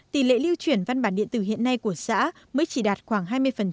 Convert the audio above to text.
tỷ lệ lưu chuyển văn bản điện tử hiện nay của xã mới chỉ đạt khoảng hai mươi